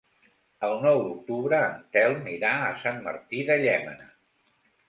El nou d'octubre en Telm irà a Sant Martí de Llémena.